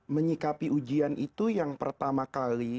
menyikapi ujian itu yang pertama kali